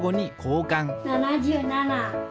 ７７。